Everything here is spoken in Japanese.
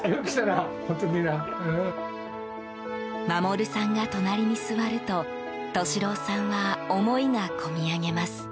衛さんが隣に座ると利郎さんは思いが込み上げます。